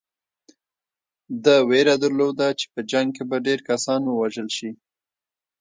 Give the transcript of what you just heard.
ده وېره درلوده چې په جنګ کې به ډېر کسان ووژل شي.